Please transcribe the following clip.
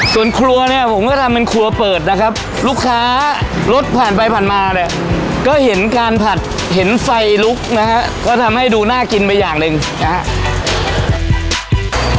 ส่วนครัวเนี่ยผมก็ทำเป็นครัวเปิดนะครับลูกค้ารถผ่านไปผ่านมาเนี่ยก็เห็นการผัดเห็นไฟลุกนะฮะก็ทำให้ดูน่ากินไปอย่างหนึ่งนะครับ